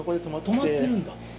止まってるんだ。